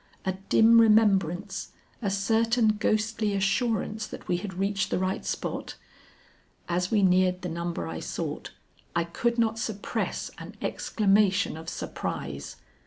A dim remembrance, a certain ghostly assurance that we had reached the right spot? As we neared the number I sought, I could not suppress an exclamation of surprise.